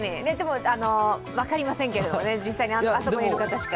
分かりませんけど、実際にあそこにいる方しか。